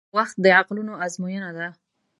• وخت د عقلونو ازموینه ده.